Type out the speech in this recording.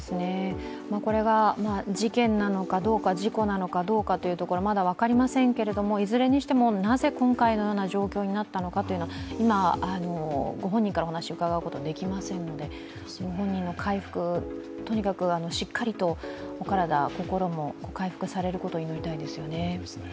これが事件なのかどうか、事故なのかどうか、まだ分かりませんけれども、いずれにしてもなぜ今回のような状況になったのかというのは今、本人からお話を伺うことはできませんので、ご本人の回復、とにかくしっかりとお体、心も回復されることを祈りたいですね。